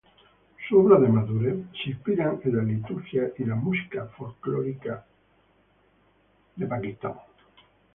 Sus obras de madurez se inspiran en la liturgia y la música folclórica judías.